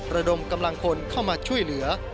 ระดมกำลังคนเข้ามาช่วยเหลือ